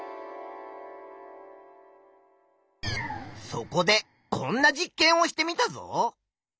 そこでこんな実験をしてみたぞ。